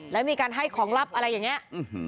แล้วมีการให้ของลับอะไรอย่างนี้